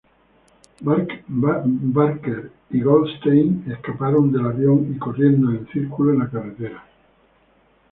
Barker y Goldstein escaparon del avión y corriendo en círculos en la carretera.